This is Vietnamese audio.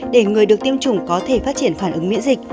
để người được tiêm chủng có thể phát triển phản ứng miễn dịch